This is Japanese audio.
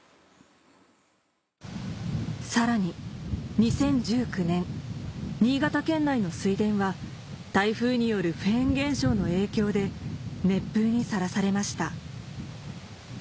さらに新潟県内の水田は台風によるフェーン現象の影響で熱風にさらされました